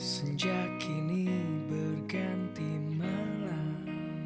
sejak kini berganti malam